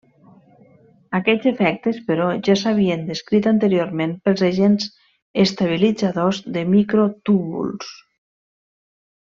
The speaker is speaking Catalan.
Aquests efectes, però, ja s'havien descrit anteriorment pels agents estabilitzadors de microtúbuls.